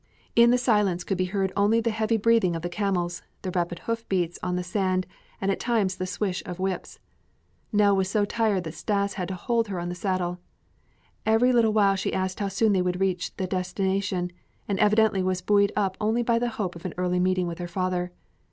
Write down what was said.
In the silence could be heard only the heavy breathing of the camels, the rapid hoof beats on the sand, and at times the swish of whips. Nell was so tired that Stas had to hold her on the saddle. Every little while she asked how soon they would reach then destination, and evidently was buoyed up only by the hope of an early meeting with her father.